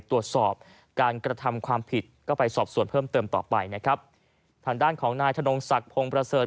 ตรวจสอบการกระทำความผิดก็ไปสอบส่วนเพิ่มเติมต่อไปนะครับทางด้านของนายธนงศักดิ์พงศ์ประเสริฐ